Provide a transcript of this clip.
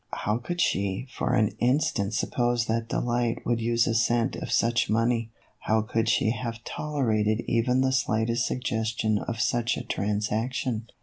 How could she for an in stant suppose that Delight would use a cent of such money? How could she have tolerated even the slightest suggestion of such a transaction